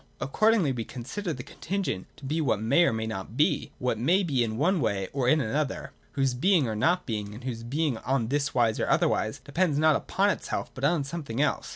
Accordingly we consider the contingent to be what may or may not be, what may be in one way or in another, whose being or not being, and whose being on this wise or otherwise, depends not upon itself but on something else.